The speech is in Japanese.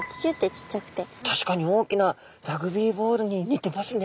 確かに大きなラグビーボールに似てますね。